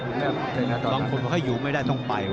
ความผิดค่อยอยู่ไม่ได้ต้องไป